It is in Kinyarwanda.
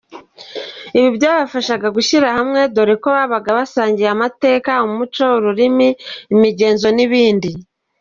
Ibi byabafashaga gushyira hamwe dore ko babaga basangiye amateka, umuco, ururimi, imigenzo n’ibindi.